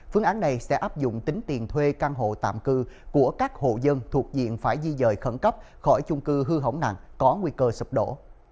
phương án này sẽ áp dụng tính tiền thuê căn hộ tạm cư của các hộ dân thuộc diện phải di dời khẩn cấp khỏi chung cư hư hỏng nặng có nguy cơ sụp đổ